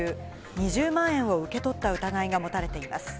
２０万円を受け取った疑いが持たれています。